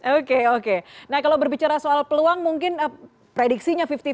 oke oke nah kalau berbicara soal peluang mungkin prediksinya lima puluh